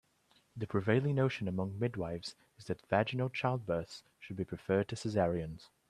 The prevailing notion among midwifes is that vaginal childbirths should be preferred to cesareans.